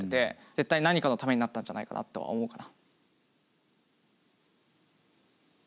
絶対何かのためになったんじゃないかなとは思うかな。